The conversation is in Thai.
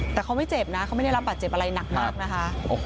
แต่เขาไม่เจ็บนะเขาไม่ได้รับบาดเจ็บอะไรหนักมากนะคะ